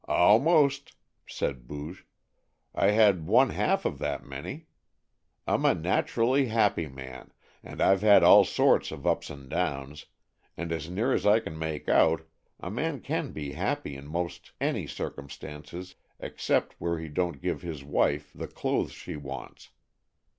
"Almost," said Booge. "I had one half of that many. I'm a naturally happy man, and I've had all sorts of ups and downs, and as near as I can make out, a man can be happy in most any circumstances except where he don't give his wife the clothes she wants.